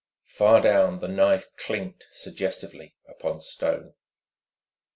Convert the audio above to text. Far down the knife clinked suggestively upon stone.